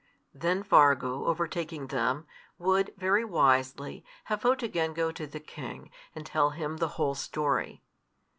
Then Fargu, overtaking them, would, very wisely, have Photogen go to the king, and tell him the whole story.